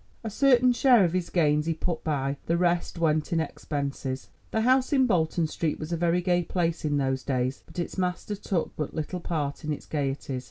A certain share of his gains he put by, the rest went in expenses. The house in Bolton Street was a very gay place in those days, but its master took but little part in its gaieties.